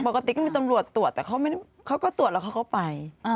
ปกติก็มีตำรวจตรวจแต่เขาก็ตรวจแล้วเขาก็ไป